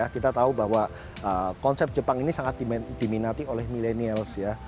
kita tahu bahwa konsep jepang ini sangat diminati oleh millennials ya